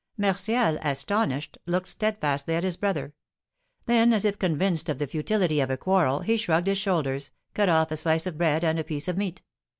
Martial, astonished, looked steadfastly at his brother. Then, as if convinced of the futility of a quarrel, he shrugged his shoulders, cut off a slice of bread and a piece of meat.